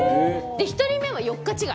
１人目は４日違い。